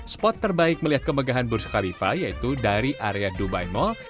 spot terbaik melihat kemegahan bursa khalifa yaitu dari area dubai mall